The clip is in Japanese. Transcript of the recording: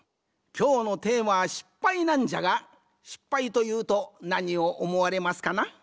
きょうのテーマは「失敗」なんじゃが失敗というとなにをおもわれますかな？